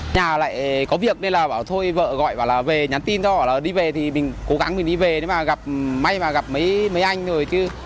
nhà lại có việc nên là bảo thôi vợ gọi bảo là về nhắn tin thôi bảo là đi về thì mình cố gắng mình đi về nếu mà gặp may mà gặp mấy anh rồi chứ